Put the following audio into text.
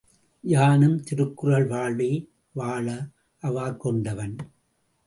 யானும் திருக்குறள் வாழ்வே வாழ அவாக் கொண்டவன்.